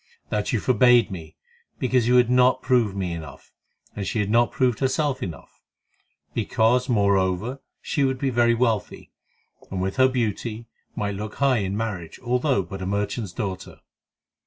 "That you forbade me because you had not proved me enough, and she had not proved herself enough; because, moreover, she would be very wealthy, and with her beauty might look high in marriage, although but a merchant's daughter."